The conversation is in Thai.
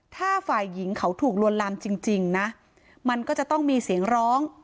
ถ้าฝ่ายหญิงเขาถูกลวนลามจริงนะมันก็จะต้องมีเสียงร้อง